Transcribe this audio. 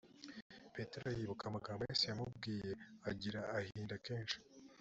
petero yibuka amagambo yesu yamubwiye agira ahinda kenshi